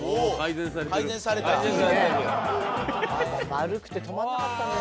前丸くて止まらなかったんだよな。